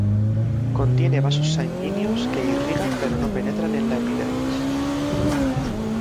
Contiene vasos sanguíneos que irrigan pero no penetran en la epidermis.